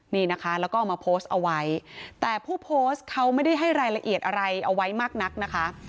นี่นะคะแล้วก็เอามาโพสต์เอาไว้แต่ผู้โพสต์เขาไม่ได้ให้รายละเอียดอะไรเอาไว้มากนักนะคะ